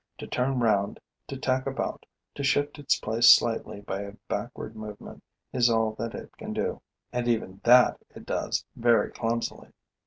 To turn round, to tack about, to shift its place slightly by a backward movement is all that it can do; and even that it does very clumsily.